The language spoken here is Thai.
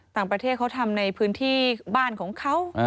ต่างประเทศเขาทำในพื้นที่บ้านของเขา